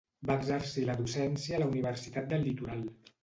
Va exercir la docència a la Universitat del Litoral.